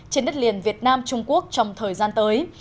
trên đất liền việt nam trung quốc trong thời gian tới